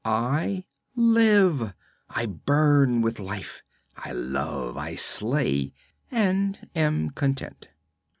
I live, I burn with life, I love, I slay, and am content.'